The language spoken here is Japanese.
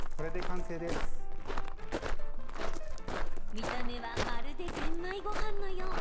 見た目はまるで玄米ごはんのよう。